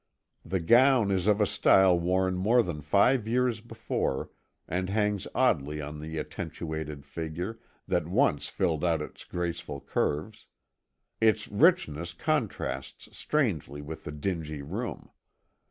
The gown is of a style worn more than five years before, and hangs oddly on the attenuated figure, that once filled out its graceful curves. Its richness contrasts strangely with the dingy room.